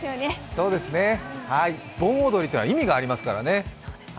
そうですね、盆踊りというのは意味がありますからね。